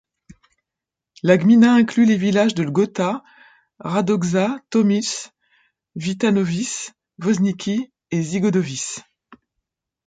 La gmina inclut les villages de Lgota, Radocza, Tomice, Witanowice, Woźniki et Zygodowice.